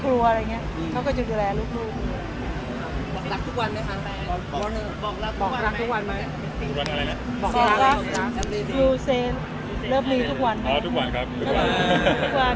เพื่อให้เธอไม่ต้องห่วงเกี่ยวกับสิ่งที่เกี่ยวกับบ้าน